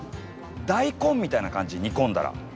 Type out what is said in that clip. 大根みたいな感じ煮込んだら。